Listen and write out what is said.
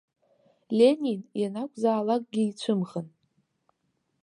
Ленин ианакәзаалакгьы ицәымӷын.